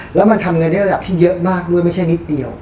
แล้วมันทำเงินได้ระดับที่เยอะมากด้วยไม่ใช่นิดเดียว